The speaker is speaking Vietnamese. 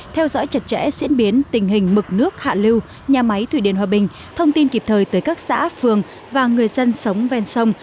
theo dõi chặt chẽ diễn biến tình hình mực nước hạ lưu nhà máy thủy điện hòa bình thông tin kịp thời tới các xã phường và người dân sống ven sông